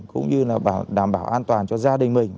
cũng như là đảm bảo an toàn cho gia đình mình